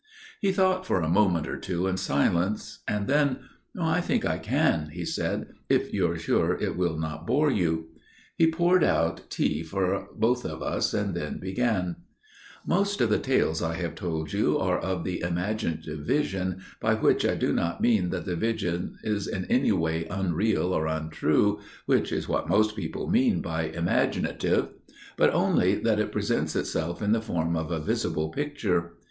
He thought for a moment or two in silence; and then–––– "I think I can," he said, "if you are sure it will not bore you." He poured out tea for us both, and then began: "Most of the tales I have told you are of the imaginative vision, by which I do not mean that the vision is in any way unreal or untrue, which is what most people mean by 'imaginative,' but only that it presents itself in the form of a visible picture.